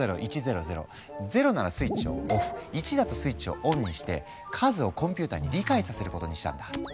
０ならスイッチをオフ１だとスイッチをオンにして数をコンピューターに理解させることにしたんだ。